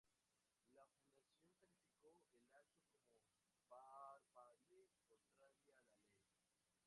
La Fundación calificó el acto como "barbarie contraria a la ley".